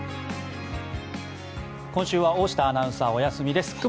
今週は大下アナウンサーお休みです。